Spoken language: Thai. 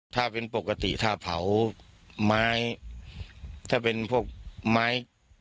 ถ้าเป็นปกติถ้าเผาไม้ถ้าเป็นพวกไม้